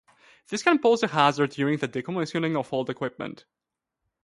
This can pose a hazard during the decommissioning of old equipment.